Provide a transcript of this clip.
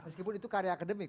meskipun itu karya akademik